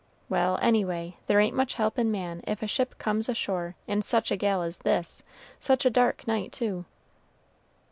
Well, any way, there ain't much help in man if a ship comes ashore in such a gale as this, such a dark night too."